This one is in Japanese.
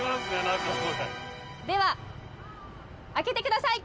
何かこれでは開けてください